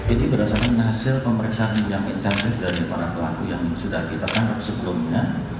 ini berdasarkan hasil pemeriksaan yang intensif dari para pelaku yang sudah kita tangkap sebelumnya